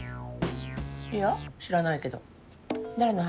いや知らないけど誰の話？